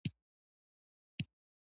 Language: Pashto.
ورور ته د ستونزو حل وايي.